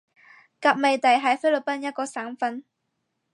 甲米地係菲律賓一個省份